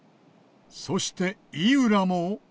そして井浦も。